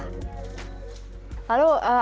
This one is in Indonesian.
sebelumnya dikirimkan oleh pemerintah